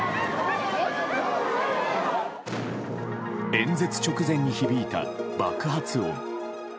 演説直前に響いた爆発音。